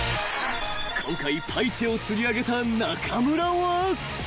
［今回パイチェを釣り上げた中村は］